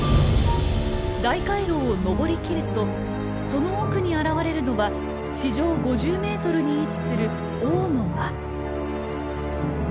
大回廊を上りきるとその奥に現れるのは地上５０ｍに位置する「王の間」。